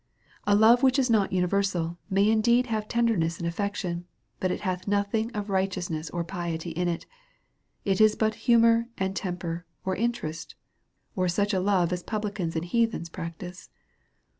A love which is not universal may indeed have ten derness and affection, but it hath nothing of righteous ness or piety in it ; it is but humour and temper, or interest, or such a love as publicans and heathens practise.